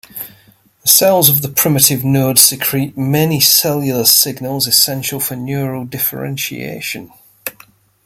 The cells of the primitive node secrete many cellular signals essential for neural differentiation.